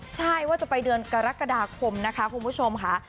ใช่ว่าจะไปเดือนกรกฎาคมนะคะคุณผู้ชมค่ะ